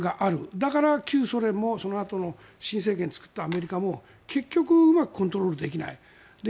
だから旧ソ連もそのあとの新政権を作ったアメリカも結局うまくコントロールできない。